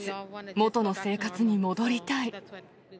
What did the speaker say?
元の生活に戻りたい。